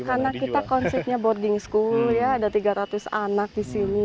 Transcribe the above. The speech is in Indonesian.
karena kita konsepnya boarding school ya ada tiga ratus anak di sini